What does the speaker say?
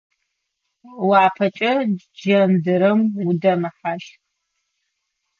Уапэкӏэ джэндырэм удэмыхьащх.